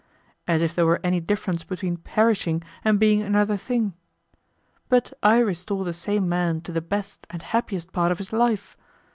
As if there were any difference between perishing and being another thing! But I restore the same man to the best and happiest part of his life.